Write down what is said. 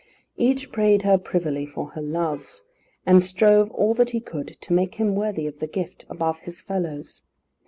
Each prayed her privily for her love, and strove all that he could to make him worthy of the gift, above his fellows.